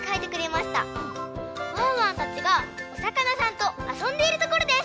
ワンワンたちがおさかなさんとあそんでいるところです。